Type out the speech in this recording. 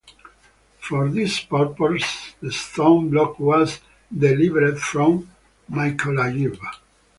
For this purpose the stone block was delivered from Mykolayiv.